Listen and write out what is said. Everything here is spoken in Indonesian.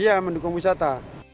iya mendukung wisata